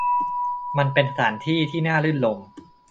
มันเป็นสถานที่ที่น่ารื่นรมย์